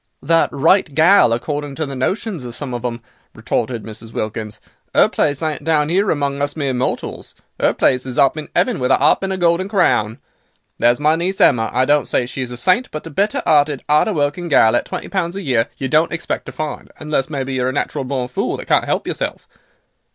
"That 'right gal,' according to the notions of some of 'em," retorted Mrs. Wilkins, "'er place ain't down 'ere among us mere mortals; 'er place is up in 'eaven with a 'arp and a golden crown. There's my niece, Emma, I don't say she is a saint, but a better 'earted, 'arder working gal, at twenty pounds a year, you don't expect to find, unless maybe you're a natural born fool that can't 'elp yourself.